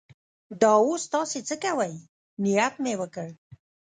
دا اوس تاسې څه کوئ؟ نیت مې وکړ.